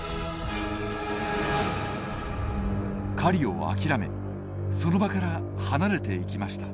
狩りを諦めその場から離れていきました。